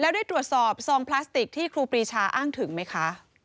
แล้วได้ตรวจสอบซองพลาสติกที่ครูปรีชาอ้างถึงไหมคะ